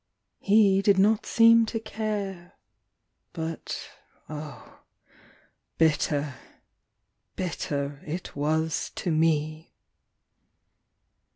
He did not seem to care ; but, oh, Bitter, bitter, it was to me.